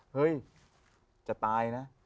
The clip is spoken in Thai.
เฮ้ยจะตายนะ